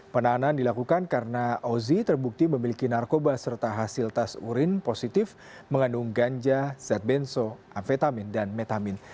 penahanan dilakukan karena ozi terbukti memiliki narkoba serta hasil tes urin positif mengandung ganja zat benso amfetamin dan metamin